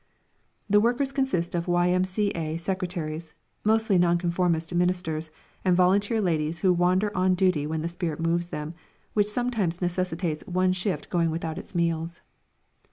The workers consist of Y.M.C.A. secretaries, mostly Nonconformist ministers, and volunteer ladies who wander on duty when the spirit moves them, which sometimes necessitates one shift going without its meals.